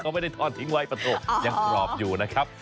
ไม่ได้ทอดทิ้งไว้ประตูยังกรอบอยู่นะครับ